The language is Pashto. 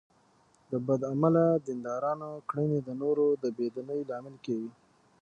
د بد عمله دیندارانو کړنې د نورو د بې دینۍ لامل کېږي.